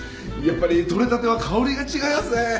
やっぱり取れたては香りが違いますね。